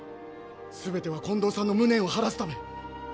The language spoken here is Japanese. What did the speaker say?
すべては近藤さんの無念を晴らすため。